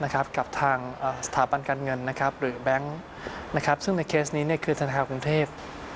กับทางสถาบันการเงินหรือแบงค์ซึ่งในเคสนี้คือธนาคารกรุงเทพ